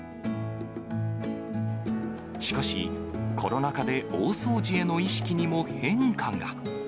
しかし、コロナ禍で大掃除への意識にも変化が。